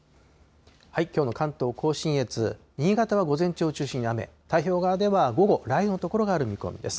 きょうの関東甲信越、新潟は午前中を中心に雨、太平洋側では午後、雷雨の所がある見込みです。